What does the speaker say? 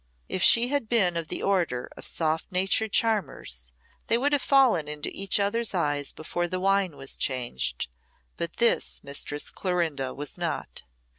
If she had been of the order of soft natured charmers, they would have fallen into each other's eyes before the wine was changed; but this Mistress Clorinda was not.